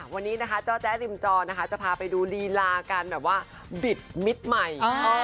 วันนี้นะคะจ๊อจ๊ะริมจอจะพาไปดูรีลากันแบบว่าบิดมิดใหม่